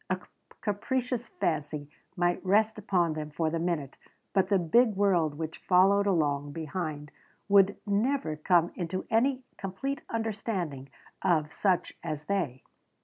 A capricious fancy might rest upon them for the minute, but the big world which followed along behind would never come into any complete understanding of such as they.